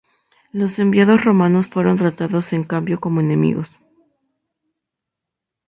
Los enviados romanos fueron tratados en cambio como enemigos.